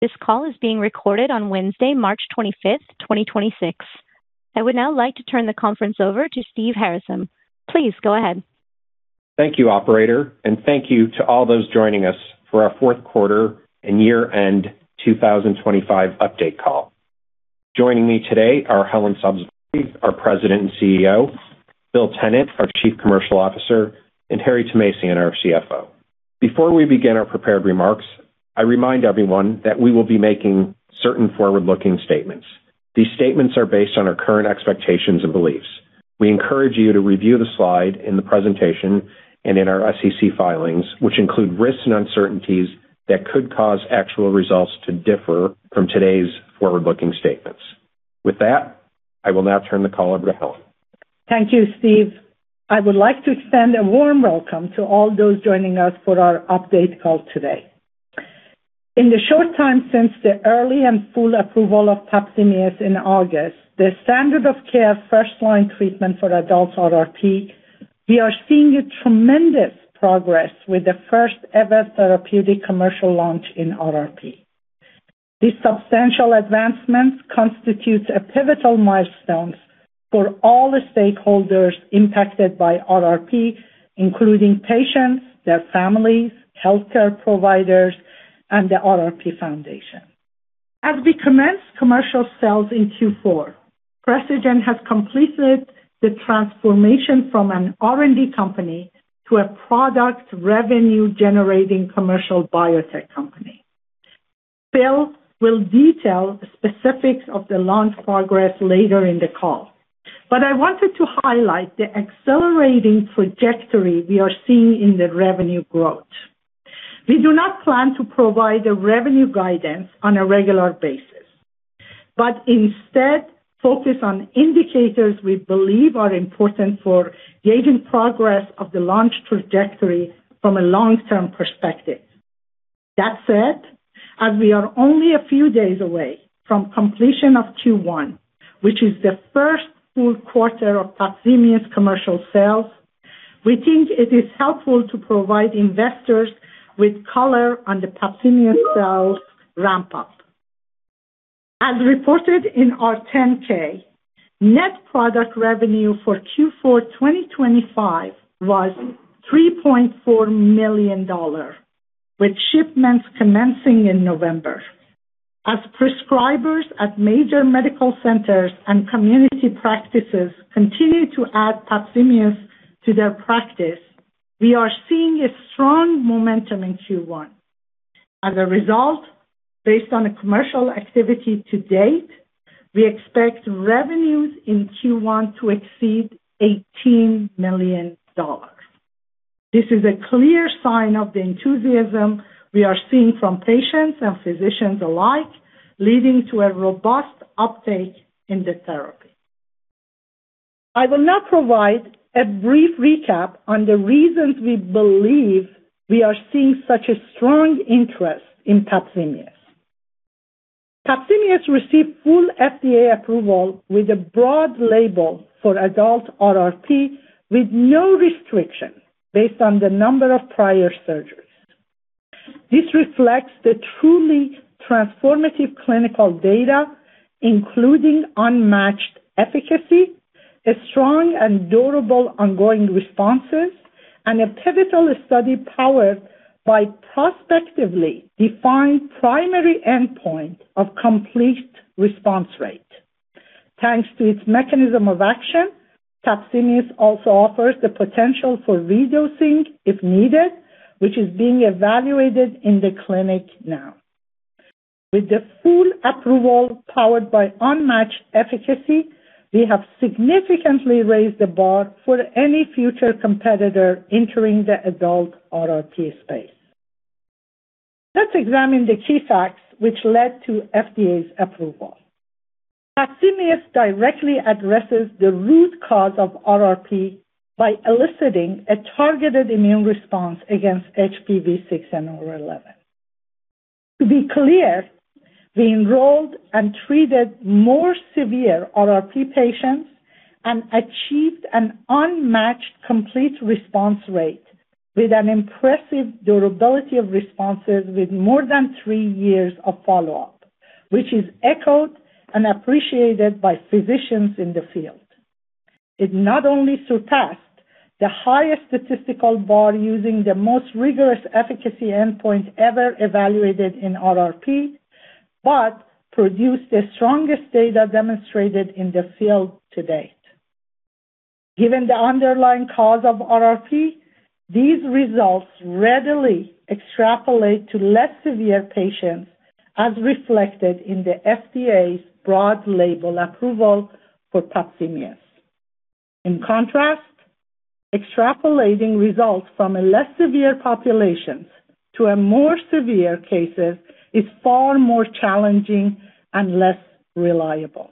This call is being recorded on Wednesday, March 25, 2026. I would now like to turn the conference over to Steven Harasym. Please go ahead. Thank you, operator, and thank you to all those joining us for our fourth quarter and year-end 2025 update call. Joining me today are Helen Sabzevari, our President and CEO, Phil Tennant, our Chief Commercial Officer, and Harry Thomasian, Jr., our CFO. Before we begin our prepared remarks, I remind everyone that we will be making certain forward-looking statements. These statements are based on our current expectations and beliefs. We encourage you to review the slide in the presentation and in our SEC filings, which include risks and uncertainties that could cause actual results to differ from today's forward-looking statements. With that, I will now turn the call over to Helen Sabzevari. Thank you, Steve. I would like to extend a warm welcome to all those joining us for our update call today. In the short time since the early and full approval of PAPZIMEOS in August, the standard of care first-line treatment for adult RRP, we are seeing a tremendous progress with the first-ever therapeutic commercial launch in RRP. This substantial advancement constitutes a pivotal milestone for all the stakeholders impacted by RRP, including patients, their families, healthcare providers, and the RRP Foundation. As we commence commercial sales in Q4, Precigen has completed the transformation from an R&D company to a product revenue-generating commercial biotech company. Bill will detail the specifics of the launch progress later in the call, but I wanted to highlight the accelerating trajectory we are seeing in the revenue growth. We do not plan to provide revenue guidance on a regular basis, but instead focus on indicators we believe are important for gauging progress of the launch trajectory from a long-term perspective. That said, as we are only a few days away from completion of Q1, which is the first full quarter of PAPZIMEOS commercial sales, we think it is helpful to provide investors with color on the PAPZIMEOS sales ramp-up. As reported in our 10-K, net product revenue for Q4 2025 was $3.4 million, with shipments commencing in November. As prescribers at major medical centers and community practices continue to add PAPZIMEOS to their practice, we are seeing strong momentum in Q1. As a result, based on commercial activity to date, we expect revenues in Q1 to exceed $18 million. This is a clear sign of the enthusiasm we are seeing from patients and physicians alike, leading to a robust uptake in the therapy. I will now provide a brief recap on the reasons we believe we are seeing such a strong interest in PAPZIMEOS. PAPZIMEOS received full FDA approval with a broad label for adult RRP, with no restriction based on the number of prior surgeries. This reflects the truly transformative clinical data, including unmatched efficacy, a strong and durable ongoing responses, and a pivotal study powered by prospectively defined primary endpoint of complete response rate. Thanks to its mechanism of action, PAPZIMEOS also offers the potential for re-dosing if needed, which is being evaluated in the clinic now. With the full approval powered by unmatched efficacy, we have significantly raised the bar for any future competitor entering the adult RRP space. Let's examine the key facts which led to FDA's approval. PAPZIMEOS directly addresses the root cause of RRP by eliciting a targeted immune response against HPV 6 and 11. To be clear, we enrolled and treated more severe RRP patients and achieved an unmatched complete response rate with an impressive durability of responses with more than three years of follow-up, which is echoed and appreciated by physicians in the field. It not only surpassed the highest statistical bar using the most rigorous efficacy endpoint ever evaluated in RRP, but produced the strongest data demonstrated in the field to date. Given the underlying cause of RRP, these results readily extrapolate to less severe patients, as reflected in the FDA's broad label approval for PAPZIMEOS. In contrast, extrapolating results from a less severe population to a more severe cases is far more challenging and less reliable.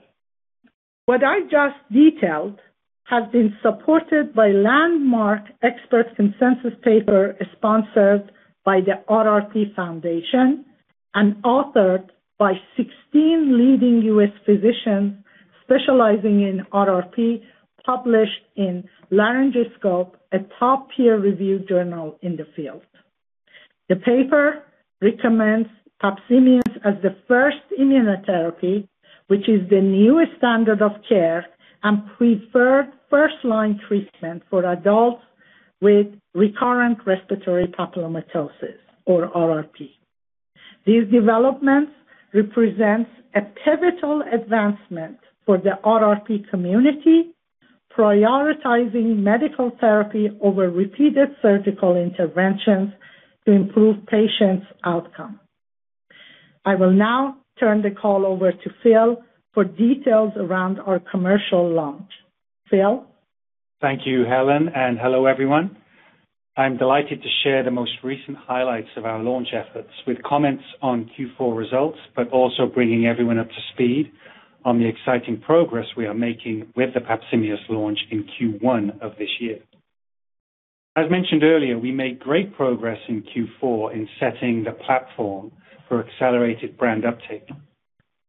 What I just detailed has been supported by landmark expert consensus paper sponsored by the RRP Foundation and authored by 16 leading U.S. physicians specializing in RRP, published in Laryngoscope, a top peer-reviewed journal in the field. The paper recommends PAPZIMEOS as the first immunotherapy, which is the newest standard of care and preferred first-line treatment for adults with recurrent respiratory papillomatosis or RRP. These developments represents a pivotal advancement for the RRP community, prioritizing medical therapy over repeated surgical interventions to improve patients' outcome. I will now turn the call over to Phil for details around our commercial launch. Phil? Thank you, Helen, and hello, everyone. I'm delighted to share the most recent highlights of our launch efforts with comments on Q4 results, but also bringing everyone up to speed on the exciting progress we are making with the PAPZIMEOS launch in Q1 of this year. As mentioned earlier, we made great progress in Q4 in setting the platform for accelerated brand uptake.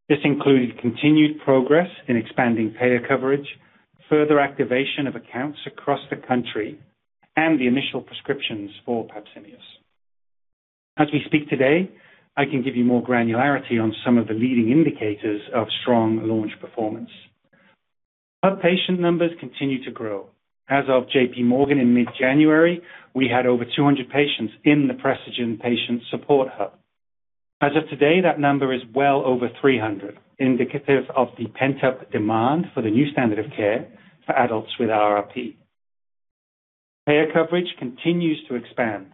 This included continued progress in expanding payer coverage, further activation of accounts across the country, and the initial prescriptions for PAPZIMEOS. As we speak today, I can give you more granularity on some of the leading indicators of strong launch performance. Our patient numbers continue to grow. As of JPMorgan in mid-January, we had over 200 patients in the Precigen patient support hub. As of today, that number is well over 300, indicative of the pent-up demand for the new standard of care for adults with RRP. Payer coverage continues to expand.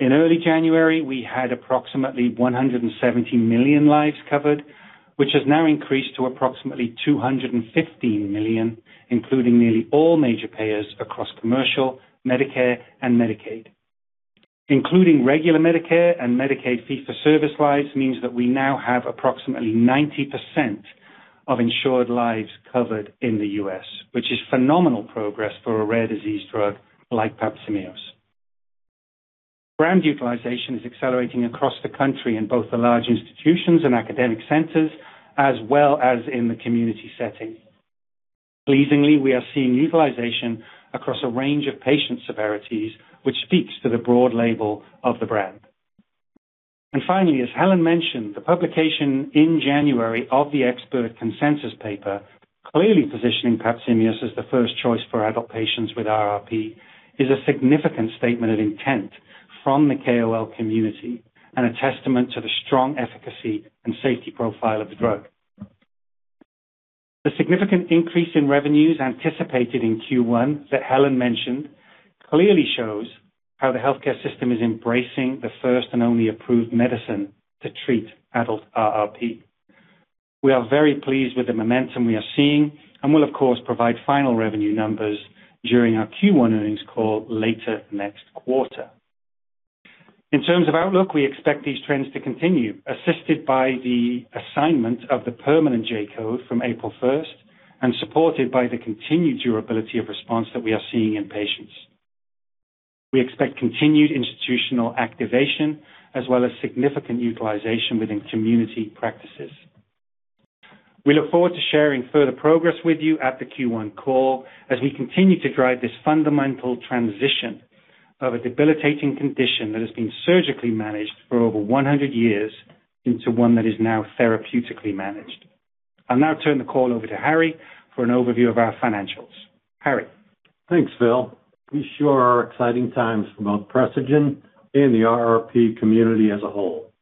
In early January, we had approximately 170 million lives covered, which has now increased to approximately 215 million, including nearly all major payers across commercial, Medicare, and Medicaid. Including regular Medicare and Medicaid fee-for-service lives means that we now have approximately 90% of insured lives covered in the U.S., which is phenomenal progress for a rare disease drug like PAPZIMEOS. Brand utilization is accelerating across the country in both the large institutions and academic centers, as well as in the community setting. Pleasingly, we are seeing utilization across a range of patient severities, which speaks to the broad label of the brand. Finally, as Helen mentioned, the publication in January of the expert consensus paper, clearly positioning PAPZIMEOS as the first choice for adult patients with RRP, is a significant statement of intent from the KOL community and a testament to the strong efficacy and safety profile of the drug. The significant increase in revenues anticipated in Q1 that Helen mentioned clearly shows how the healthcare system is embracing the first and only approved medicine to treat adult RRP. We are very pleased with the momentum we are seeing and will, of course, provide final revenue numbers during our Q1 earnings call later next quarter. In terms of outlook, we expect these trends to continue, assisted by the assignment of the permanent J-code from April first and supported by the continued durability of response that we are seeing in patients. We expect continued institutional activation as well as significant utilization within community practices. We look forward to sharing further progress with you at the Q1 call as we continue to drive this fundamental transition of a debilitating condition that has been surgically managed for over 100 years into one that is now therapeutically managed. I'll now turn the call over to Harry for an overview of our financials. Harry? Thanks, Phil. These sure are exciting times for both Precigen and the RRP community as a whole.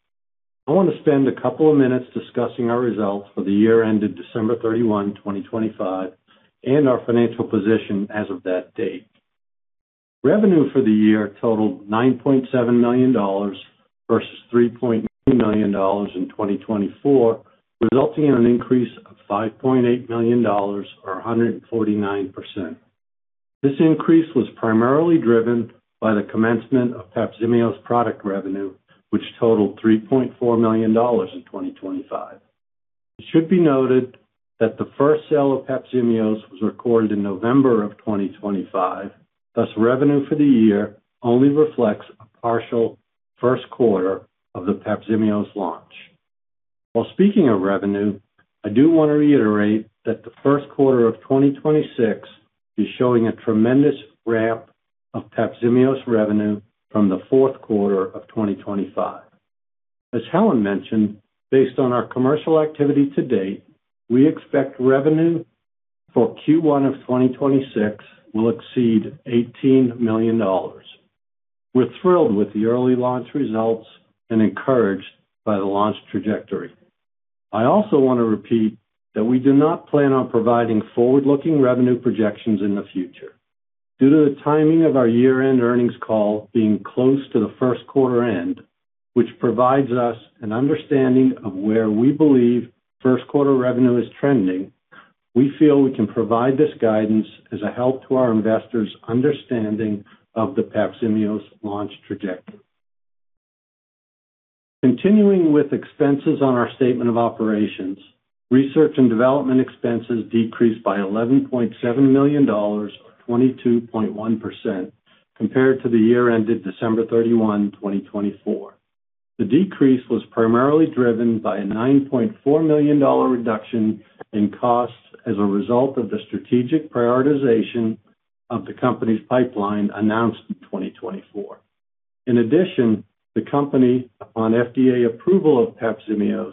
I want to spend a couple of minutes discussing our results for the year ended December 31, 2025, and our financial position as of that date. Revenue for the year totaled $9.7 million versus $3.8 million in 2024, resulting in an increase of $5.8 million or 149%. This increase was primarily driven by the commencement of PAPZIMEOS product revenue, which totaled $3.4 million in 2025. It should be noted that the first sale of PAPZIMEOS was recorded in November 2025, thus revenue for the year only reflects a partial first quarter of the PAPZIMEOS launch. While speaking of revenue, I do want to reiterate that the first quarter of 2026 is showing a tremendous ramp of PAPZIMEOS revenue from the fourth quarter of 2025. As Helen mentioned, based on our commercial activity to date, we expect revenue for Q1 of 2026 will exceed $18 million. We're thrilled with the early launch results and encouraged by the launch trajectory. I also want to repeat that we do not plan on providing forward-looking revenue projections in the future. Due to the timing of our year-end earnings call being close to the first quarter end, which provides us an understanding of where we believe first quarter revenue is trending, we feel we can provide this guidance as a help to our investors' understanding of the PAPZIMEOS launch trajectory. Continuing with expenses on our statement of operations, research and development expenses decreased by $11.7 million or 22.1% compared to the year ended December 31, 2024. The decrease was primarily driven by a $9.4 million reduction in costs as a result of the strategic prioritization of the company's pipeline announced in 2024. In addition, the company, upon FDA approval of PAPZIMEOS,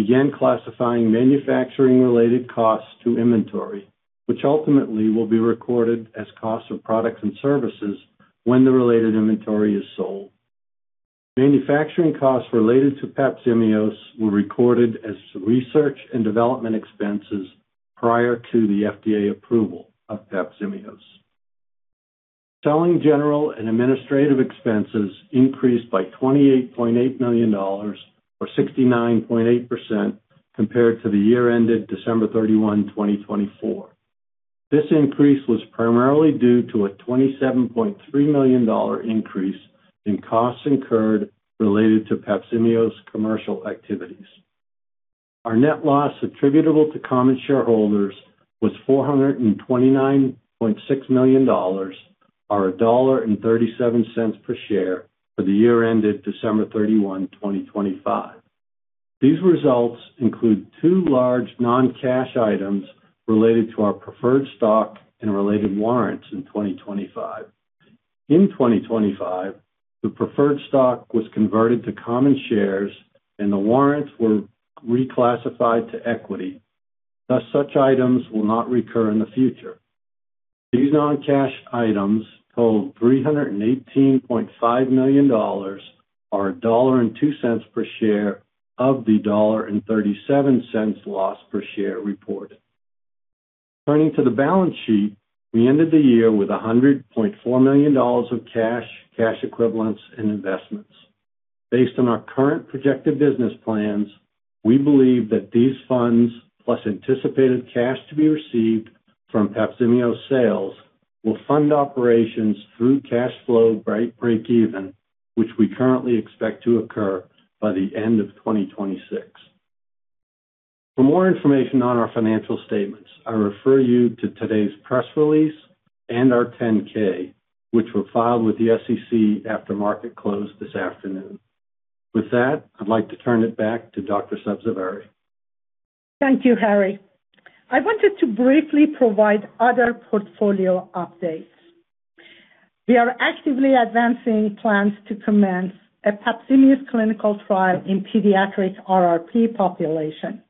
began classifying manufacturing-related costs to inventory, which ultimately will be recorded as cost of products and services when the related inventory is sold. Manufacturing costs related to PAPZIMEOS were recorded as research and development expenses prior to the FDA approval of PAPZIMEOS. Selling general and administrative expenses increased by $28.8 million, or 69.8% compared to the year ended December 31, 2024. This increase was primarily due to a $27.3 million increase in costs incurred related to PAPZIMEOS commercial activities. Our net loss attributable to common shareholders was $429.6 million or $1.37 per share for the year ended December 31, 2025. These results include two large non-cash items related to our preferred stock and related warrants in 2025. In 2025, the preferred stock was converted to common shares and the warrants were reclassified to equity. Thus such items will not recur in the future. These non-cash items totaled $318.5 million or $1.02 per share of the $1.37 loss per share reported. Turning to the balance sheet, we ended the year with $100.4 million of cash equivalents and investments. Based on our current projected business plans, we believe that these funds, plus anticipated cash to be received from PAPZIMEOS sales, will fund operations through cash flow breakeven, which we currently expect to occur by the end of 2026. For more information on our financial statements, I refer you to today's press release and our 10-K, which were filed with the SEC after market closed this afternoon. With that, I'd like to turn it back to Dr. Sabzevari. Thank you, Harry. I wanted to briefly provide other portfolio updates. We are actively advancing plans to commence a PAPZIMEOS clinical trial in pediatric RRP population.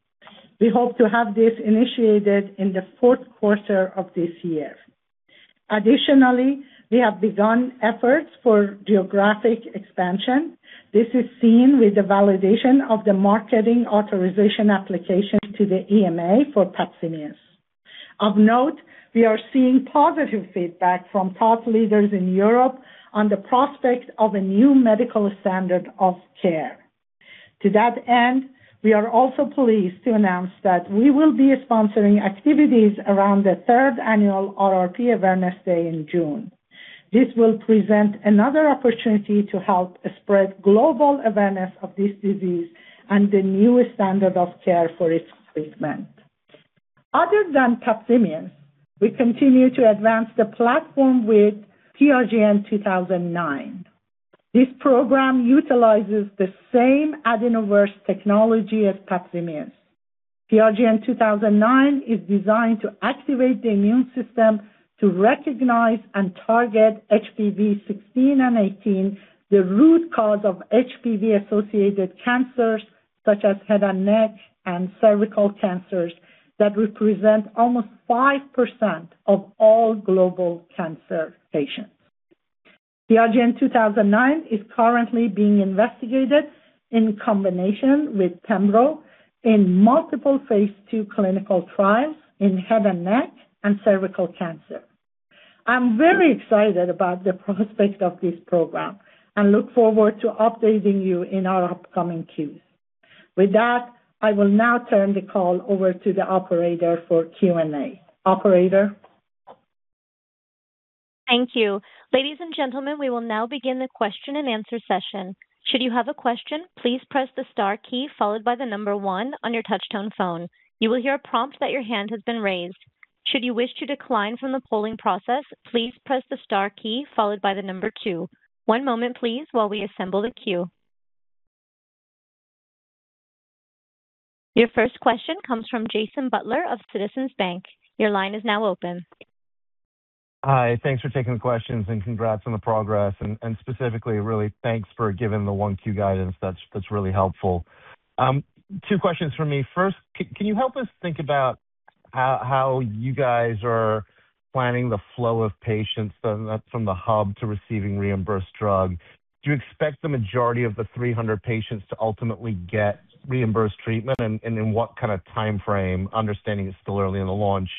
We hope to have this initiated in the fourth quarter of this year. Additionally, we have begun efforts for geographic expansion. This is seen with the validation of the marketing authorization application to the EMA for PAPZIMEOS. Of note, we are seeing positive feedback from thought leaders in Europe on the prospect of a new medical standard of care. To that end, we are also pleased to announce that we will be sponsoring activities around the third annual RRP Awareness Day in June. This will present another opportunity to help spread global awareness of this disease and the new standard of care for its treatment. Other than PAPZIMEOS, we continue to advance the platform with PRGN-2009. This program utilizes the same adenovirus technology as PAPZIMEOS. PRGN-2009 is designed to activate the immune system to recognize and target HPV 16 and 18, the root cause of HPV-associated cancers such as head and neck and cervical cancers that represent almost 5% of all global cancer patients. PRGN-2009 is currently being investigated in combination with pembrolizumab in multiple phase II clinical trials in head and neck and cervical cancer. I'm very excited about the prospect of this program and look forward to updating you in our upcoming Q's. With that, I will now turn the call over to the operator for Q&A. Operator? Thank you. Ladies and gentlemen, we will now begin the question and answer session. Should you have a question, please press the star key followed by the number one on your touch-tone phone. You will hear a prompt that your hand has been raised. Should you wish to decline from the polling process, please press the star key followed by the number two. One moment please while we assemble the queue. Your first question comes from Jason Butler of Citizens JMP. Your line is now open. Hi. Thanks for taking the questions and congrats on the progress. Specifically, really thanks for giving the 1Q guidance. That's really helpful. Two questions from me. First, can you help us think about how you guys are planning the flow of patients from the hub to receiving reimbursed drug? Do you expect the majority of the 300 patients to ultimately get reimbursed treatment? In what kind of timeframe, understanding it's still early in the launch?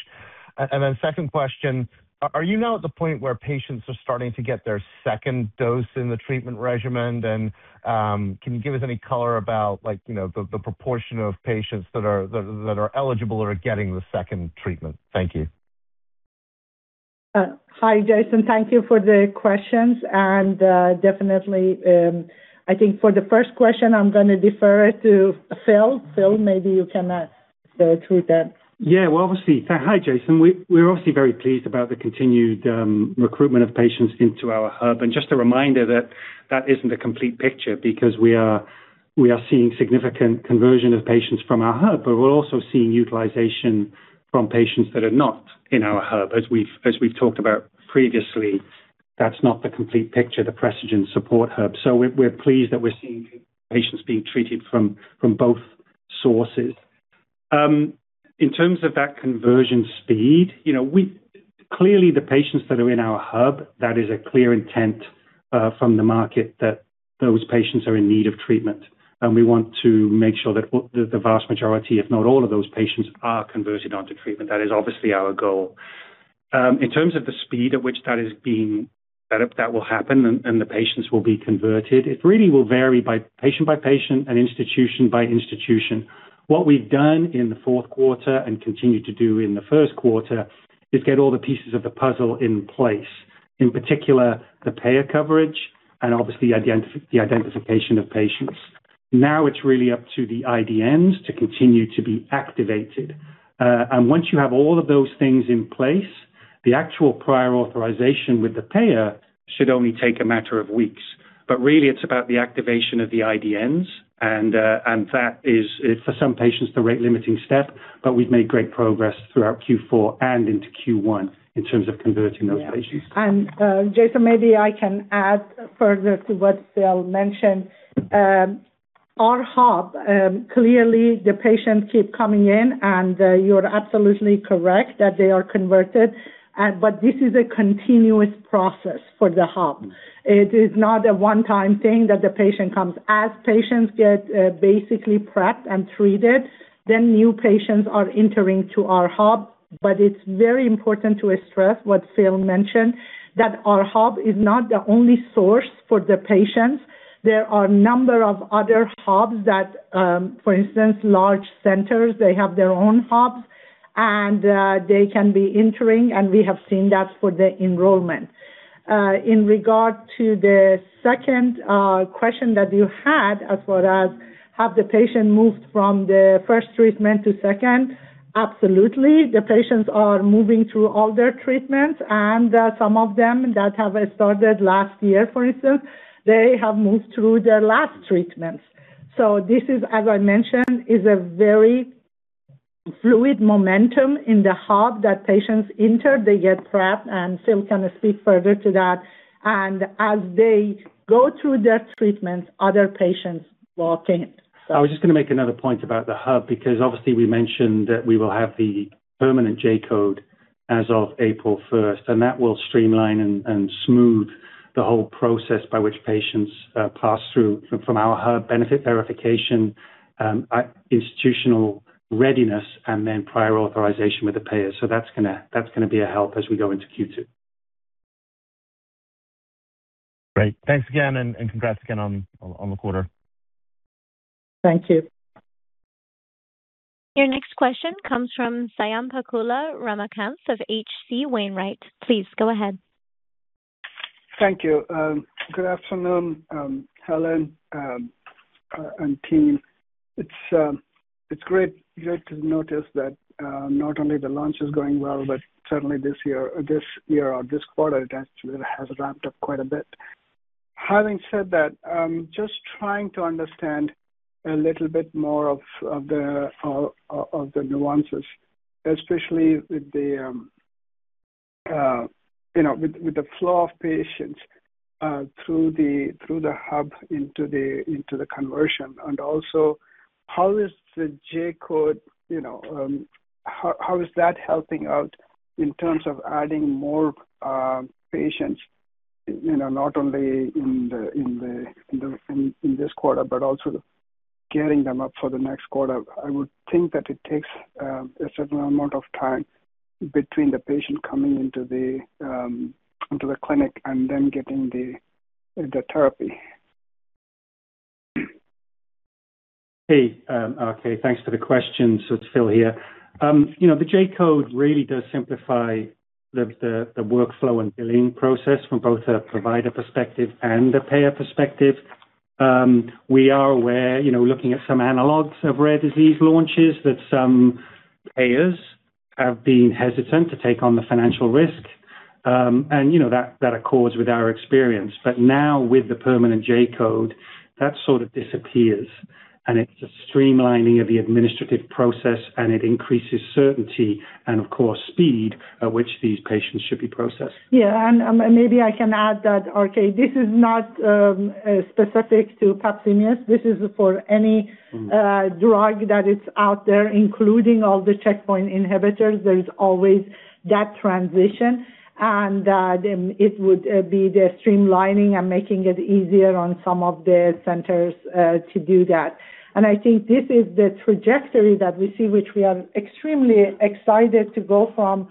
Then second question, are you now at the point where patients are starting to get their second dose in the treatment regimen? Can you give us any color about like, you know, the proportion of patients that are eligible or are getting the second treatment? Thank you. Hi Jason. Thank you for the questions. Definitely, I think for the first question, I'm gonna defer it to Phil. Phil, maybe you can. Yeah, well, obviously. Hi, Jason. We're obviously very pleased about the continued recruitment of patients into our hub. Just a reminder that that isn't a complete picture because we are seeing significant conversion of patients from our hub, but we're also seeing utilization from patients that are not in our hub. As we've talked about previously, that's not the complete picture, the Precigen Support Hub. We're pleased that we're seeing patients being treated from both sources. In terms of that conversion speed, you know, clearly, the patients that are in our hub, that is a clear intent from the market that those patients are in need of treatment. We want to make sure that the vast majority, if not all of those patients, are converted onto treatment. That is obviously our goal. In terms of the speed at which that is being set up, that will happen and the patients will be converted. It really will vary by patient by patient and institution by institution. What we've done in the fourth quarter and continue to do in the first quarter is get all the pieces of the puzzle in place, in particular the payer coverage and obviously the identification of patients. Now it's really up to the IDNs to continue to be activated. Once you have all of those things in place, the actual prior authorization with the payer should only take a matter of weeks. Really it's about the activation of the IDNs, and that is for some patients the rate limiting step. We've made great progress throughout Q4 and into Q1 in terms of converting those patients. Yeah, Jason, maybe I can add further to what Phil mentioned. Our hub clearly the patients keep coming in, and you're absolutely correct that they are converted. This is a continuous process for the hub. It is not a one-time thing that the patient comes. As patients get basically prepped and treated, then new patients are entering to our hub. It's very important to stress what Phil mentioned, that our hub is not the only source for the patients. There are a number of other hubs that, for instance, large centers, they have their own hubs, and they can be entering, and we have seen that for the enrollment. In regard to the second question that you had as far as have the patient moved from the first treatment to second, absolutely. The patients are moving through all their treatments, and some of them that have started last year, for instance, they have moved through their last treatments. This is, as I mentioned, a very fluid momentum in the hub that patients enter, they get prepped, and Phil can speak further to that. As they go through their treatments, other patients walk in. I was just gonna make another point about the hub, because obviously we mentioned that we will have the permanent J-code as of April first, and that will streamline and smooth the whole process by which patients pass through from our hub benefit verification, institutional readiness and then prior authorization with the payer. So that's gonna be a help as we go into Q2. Great. Thanks again, and congrats again on the quarter. Thank you. Your next question comes from Swayampakula Ramakanth of H.C. Wainwright. Please go ahead. Thank you. Good afternoon, Helen, and team. It's great to notice that not only the launch is going well, but certainly this year or this quarter, it actually has ramped up quite a bit. Having said that, just trying to understand a little bit more of the nuances, especially with you know, with the flow of patients through the hub into the conversion and also how is the J-code you know, how is that helping out in terms of adding more patients you know not only in this quarter, but also getting them up for the next quarter? I would think that it takes a certain amount of time between the patient coming into the clinic and then getting the therapy. Hey, okay, thanks for the question. It's Phil here. You know, the J-code really does simplify the workflow and billing process from both a provider perspective and a payer perspective. We are aware, you know, looking at some analogs of rare disease launches, that some payers have been hesitant to take on the financial risk, and you know, that accords with our experience. Now with the permanent J-code, that sort of disappears, and it's a streamlining of the administrative process, and it increases certainty and of course speed at which these patients should be processed. Yeah, maybe I can add that. Okay, this is not specific to PAPZIMEOS. This is for any drug that is out there, including all the checkpoint inhibitors. There is always that transition, and then it would be the streamlining and making it easier on some of the centers to do that. I think this is the trajectory that we see, which we are extremely excited to go from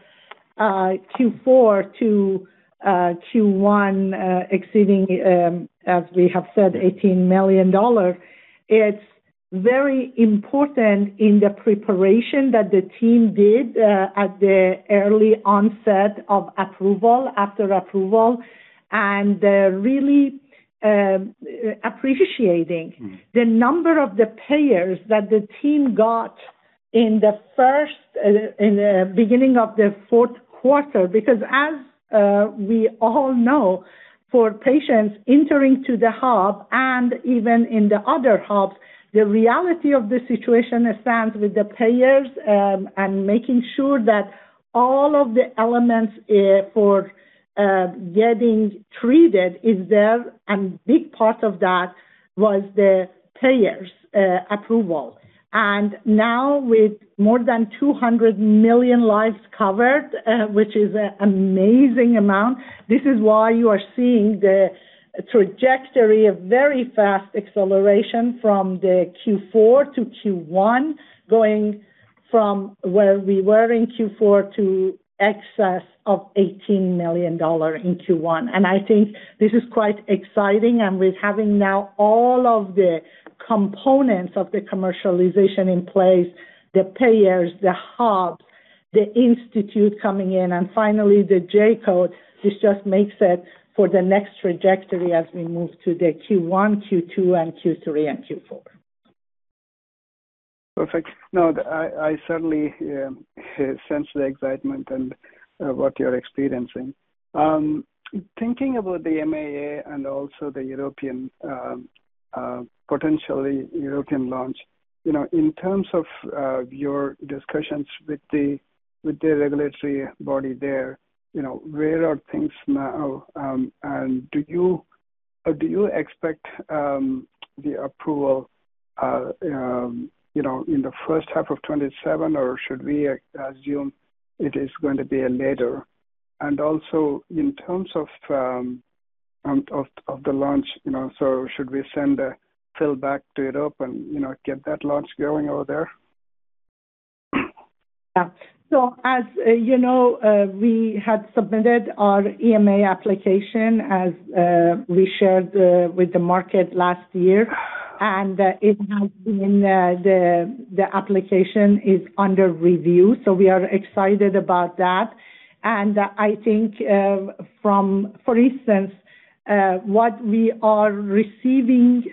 Q4 to Q1, exceeding, as we have said, $18 million. It's very important in the preparation that the team did at the early onset of approval, after approval. Really appreciating the number of the payers that the team got in the first... In the beginning of the fourth quarter, because, as we all know, for patients entering to the hub and even in the other hubs, the reality of the situation stands with the payers, and making sure that all of the elements for getting treated is there. Big part of that was the payers' approval. Now, with more than 200 million lives covered, which is an amazing amount, this is why you are seeing the trajectory of very fast acceleration from the Q4 to Q1, going from where we were in Q4 to excess of $18 million in Q1. I think this is quite exciting and with having now all of the components of the commercialization in place, the payers, the hubs, the institute coming in, and finally the J-code, this just makes it for the next trajectory as we move to the Q1, Q2 and Q3 and Q4. Perfect. No, I certainly sense the excitement and what you're experiencing. Thinking about the MAA and also the potentially European launch, you know, in terms of your discussions with the regulatory body there, you know, where are things now? Do you expect the approval, you know, in the first half of 2027, or should we assume it is going to be later? Also, in terms of the launch, you know, so should we send Phil back to Europe and, you know, get that launch going over there? Yeah. As you know, we had submitted our EMA application as we shared with the market last year, and the application is under review, so we are excited about that. I think, for instance, from what we are receiving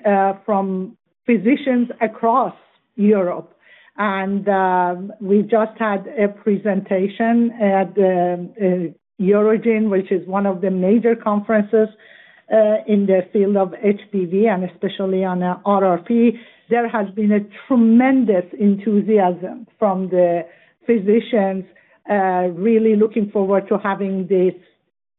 from physicians across Europe and we just had a presentation at the EUROGIN, which is one of the major conferences in the field of HPV and especially on RRP. There has been a tremendous enthusiasm from the physicians really looking forward to having this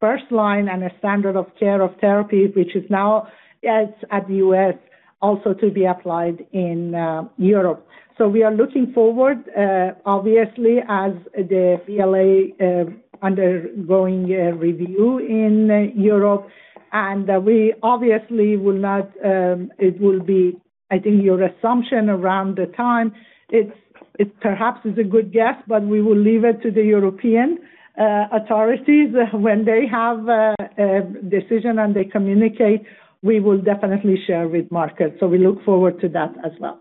first line and a standard of care of therapy, which is now, as in the U.S., also to be applied in Europe. We are looking forward, obviously as the BLA undergoing a review in Europe and we obviously will not, it will be, I think your assumption around the time, it perhaps is a good guess, but we will leave it to the European authorities. When they have a decision and they communicate, we will definitely share with market. We look forward to that as well.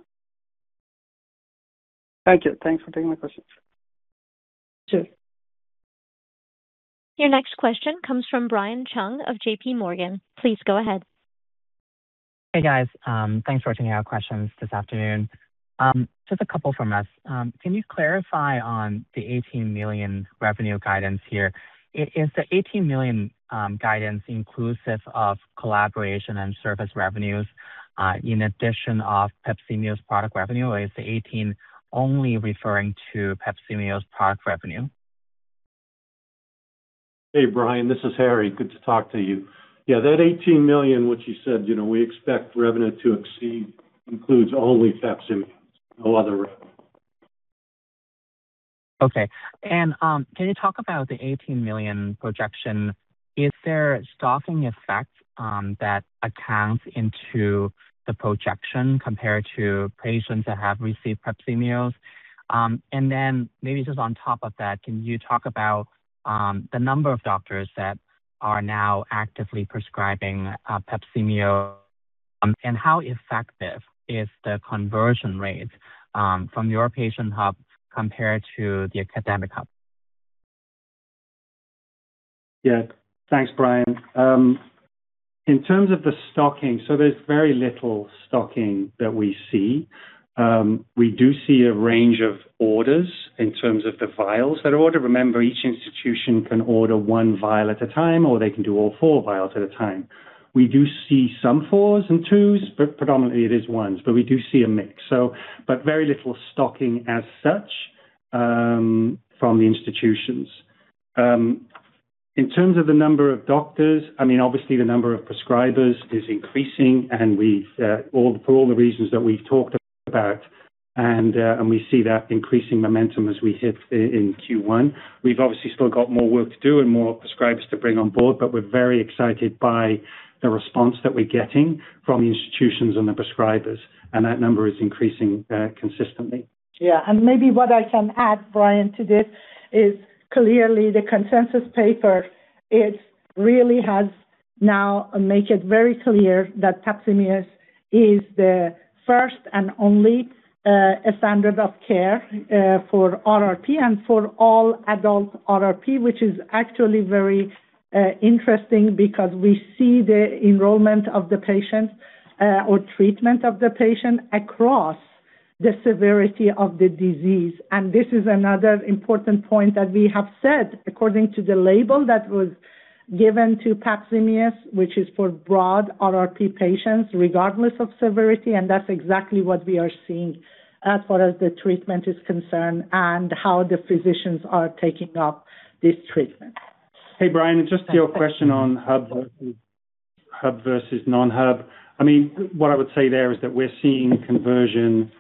Thank you. Thanks for taking my questions. Sure. Your next question comes from Brian Chung of JPMorgan. Please go ahead. Hey, guys. Thanks for taking our questions this afternoon. Just a couple from us. Can you clarify on the $18 million revenue guidance here? Is the $18 million guidance inclusive of collaboration and service revenues in addition to PAPZIMEOS's product revenue? Or is the $18 million only referring to PAPZIMEOS's product revenue? Hey, Brian, this is Harry. Good to talk to you. Yeah, that $18 million, which you said, you know, we expect revenue to exceed, includes only PAPZIMEOS, no other revenue. Okay. Can you talk about the $18 million projection? Is there stocking effect that factors into the projection compared to patients that have received PAPZIMEOS? And then maybe just on top of that, can you talk about the number of doctors that are now actively prescribing PAPZIMEOS, and how effective is the conversion rate from your patient hub compared to the academic hub? Yeah. Thanks, Brian. In terms of the stocking, there's very little stocking that we see. We do see a range of orders in terms of the vials that are ordered. Remember, each institution can order one vial at a time, or they can do all four vials at a time. We do see some fours and twos, but predominantly it is ones, but we do see a mix. But very little stocking as such from the institutions. In terms of the number of doctors, I mean, obviously the number of prescribers is increasing, and we've for all the reasons that we've talked about, and we see that increasing momentum as we hit in Q1. We've obviously still got more work to do and more prescribers to bring on board, but we're very excited by the response that we're getting from the institutions and the prescribers, and that number is increasing consistently. Maybe what I can add, Brian, to this is clearly the consensus paper. It really has now made it very clear that PAPZIMEOS is the first and only standard of care for RRP and for all adult RRP, which is actually very interesting because we see the enrollment of the patients or treatment of the patient across the severity of the disease. This is another important point that we have said according to the label that was given to PAPZIMEOS, which is for broad RRP patients, regardless of severity. That's exactly what we are seeing as far as the treatment is concerned and how the physicians are taking up this treatment. Hey, Brian, just your question on hub versus non-hub. I mean, what I would say there is that we're seeing conversion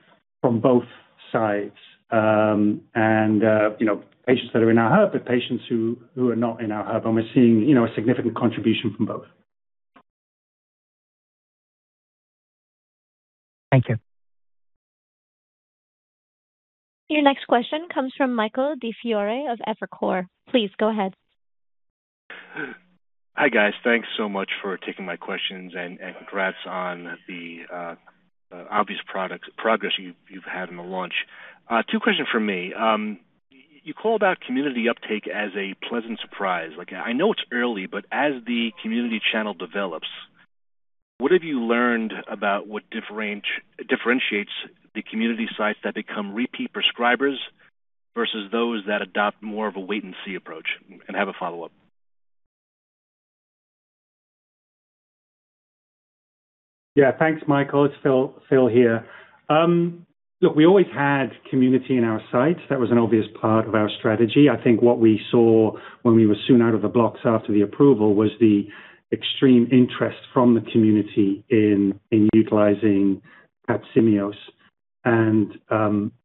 from both sides. You know, patients that are in our hub, the patients who are not in our hub, and we're seeing, you know, a significant contribution from both. Thank you. Your next question comes from Michael DiFiore of Evercore. Please go ahead. Hi, guys. Thanks so much for taking my questions, and congrats on the obvious progress you've had in the launch. Two questions from me. You call about community uptake as a pleasant surprise. Like, I know it's early, but as the community channel develops, what have you learned about what differentiates the community sites that become repeat prescribers versus those that adopt more of a wait-and-see approach? Have a follow-up. Yeah. Thanks, Michael. It's Phil here. Look, we always had community in our sights. That was an obvious part of our strategy. I think what we saw when we were soon out of the blocks after the approval was the extreme interest from the community in utilizing PAPZIMEOS.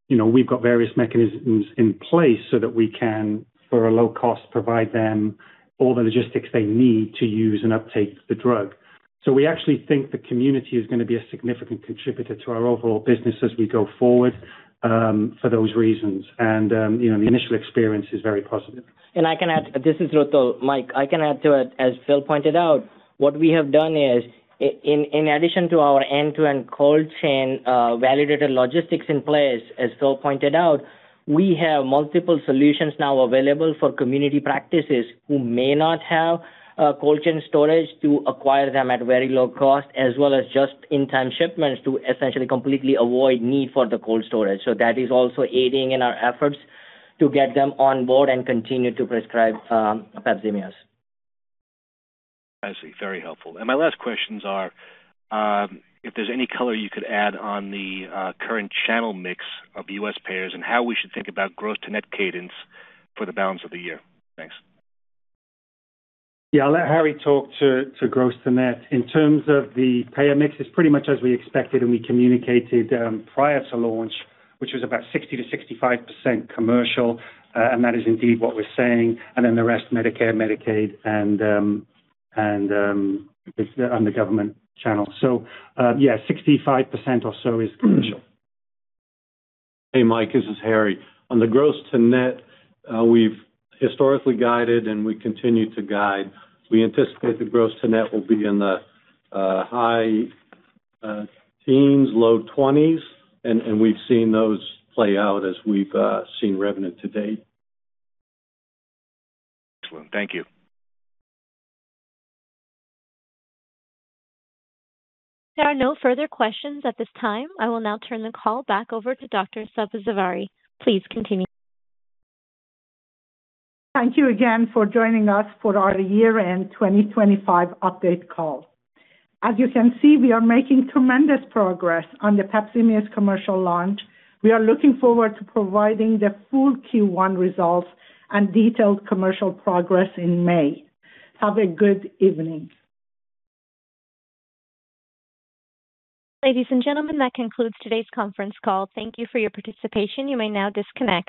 You know, we've got various mechanisms in place so that we can, for a low cost, provide them all the logistics they need to use and uptake the drug. We actually think the community is gonna be a significant contributor to our overall business as we go forward, for those reasons. You know, the initial experience is very positive. This is Rutul. Mike, I can add to it. As Phil pointed out, what we have done is in addition to our end-to-end cold chain validated logistics in place. As Phil pointed out, we have multiple solutions now available for community practices who may not have a cold chain storage to acquire them at very low cost, as well as just-in-time shipments to essentially completely avoid need for the cold storage. That is also aiding in our efforts to get them on board and continue to prescribe PAPZIMEOS. I see. Very helpful. My last questions are, if there's any color you could add on the current channel mix of U.S. payers and how we should think about gross to net cadence for the balance of the year. Thanks. Yeah. I'll let Harry talk to gross to net. In terms of the payer mix, it's pretty much as we expected and we communicated prior to launch, which was about 60%-65% commercial, and that is indeed what we're seeing. Then the rest, Medicare, Medicaid, and it's on the government channel. Yeah, 65% or so is commercial. Hey, Mike, this is Harry. On the gross to net, we've historically guided and we continue to guide. We anticipate the gross to net will be in the high teens%-low 20s%, and we've seen those play out as we've seen revenue to date. Excellent. Thank you. There are no further questions at this time. I will now turn the call back over to Dr. Helen Sabzevari. Please continue. Thank you again for joining us for our year-end 2025 update call. As you can see, we are making tremendous progress on the PAPZIMEOS commercial launch. We are looking forward to providing the full Q1 results and detailed commercial progress in May. Have a good evening. Ladies and gentlemen, that concludes today's conference call. Thank you for your participation. You may now disconnect.